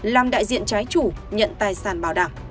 làm đại diện trái chủ nhận tài sản bảo đảm